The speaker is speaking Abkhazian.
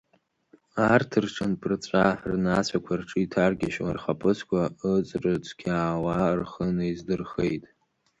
Арҭ рҽанԥырҵәа, рнацәақәа рҿы иҭаргьежьуа, рхаԥыцқәа ыҵрыцқьаауа, рхы наиздырхеит.